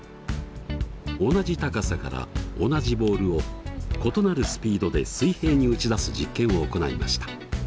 同じ高さから同じボールを異なるスピードで水平に打ち出す実験を行いました。